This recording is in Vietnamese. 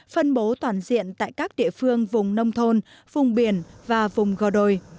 phân bố toàn diện tại các địa phương vùng nông thôn vùng biển và vùng gò đồi